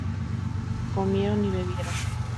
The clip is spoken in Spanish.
Comieron y bebieron.